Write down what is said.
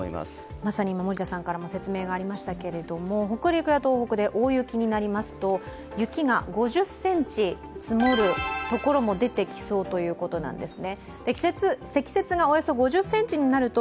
まさに今、森田さんからも説明がありましたけれども、北陸や東北で大雪になりますと、雪が５０ｃｍ積もるところも出てきそうということなんですね。